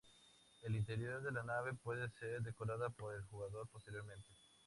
El interior de la nave puede ser decorada por el jugador posteriormente.